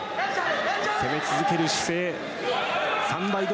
攻め続ける姿勢。